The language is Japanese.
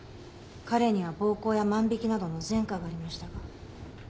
彼には暴行や万引きなどの前科がありましたが。